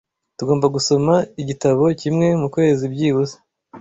Tugomba gusoma igitabo kimwe mukwezi byibuze.